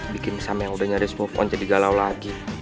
bikin sama yang udah nyaris move on jadi galau lagi